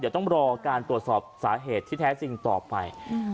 เดี๋ยวต้องรอการตรวจสอบสาเหตุที่แท้จริงต่อไป